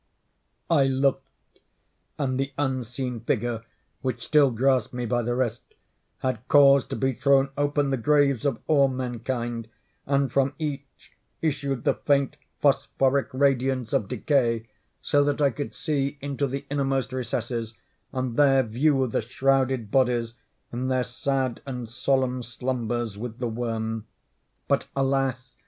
I looked; and the unseen figure, which still grasped me by the wrist, had caused to be thrown open the graves of all mankind; and from each issued the faint phosphoric radiance of decay; so that I could see into the innermost recesses, and there view the shrouded bodies in their sad and solemn slumbers with the worm. But alas!